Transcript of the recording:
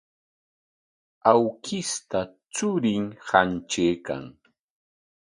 Awkishta churin hantraykan.